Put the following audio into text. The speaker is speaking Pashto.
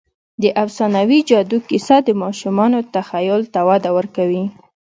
د افسانوي جادو کیسه د ماشومانو تخیل ته وده ورکوي.